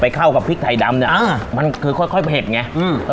เข้ากับพริกไทยดำเนี้ยอ่ามันคือค่อยค่อยเผ็ดไงอืม